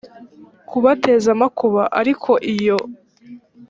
kubateza amakuba ariko iyo